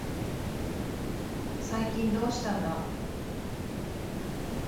最近どうしたんだ。